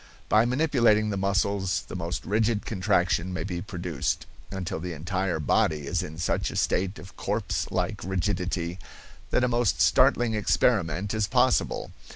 By manipulating the muscles the most rigid contraction may be produced, until the entire body is in such a state of corpse like rigidity that a most startling experiment is possible.